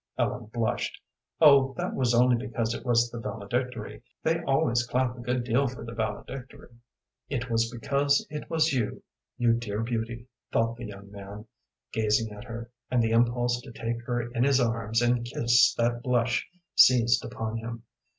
Ellen blushed. "Oh, that was only because it was the valedictory. They always clap a good deal for the valedictory." "It was because it was you, you dear beauty," thought the young man, gazing at her, and the impulse to take her in his arms and kiss that blush seized upon him.